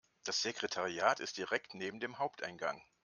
Das Sekretariat ist direkt neben dem Haupteingang.